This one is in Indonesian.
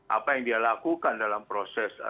apa yang dia lakukan dalam proses